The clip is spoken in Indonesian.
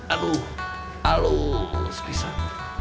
aluh aluh spesan